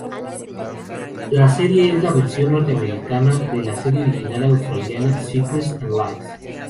La serie es la versión norteamericana de la serie original australiana "Secrets and Lies".